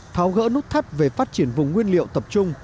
tháo gỡ nút thắt về phát triển vùng nguyên liệu tập trung